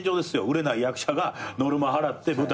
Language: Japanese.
売れない役者がノルマ払って舞台に立ち上がって。